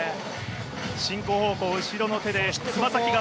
進行方向後ろの手でつま先側。